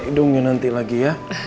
hidungnya nanti lagi ya